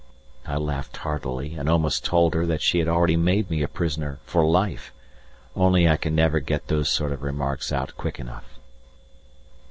I laughed heartily and almost told her that she had already made me a prisoner for life, only I can never get those sort of remarks out quick enough.